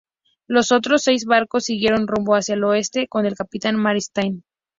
Los otros seis barcos siguieron rumbo hacia el oeste con el capitán Maristany.